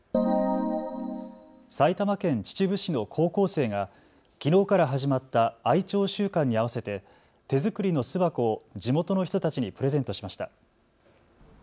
埼玉県秩父市の高校生がきのうから始まった愛鳥週間に合わせて手作りの巣箱を地元の人たちにプレゼントしました。